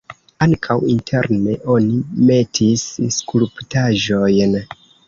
Ankaŭ interne oni metis skulptaĵojn.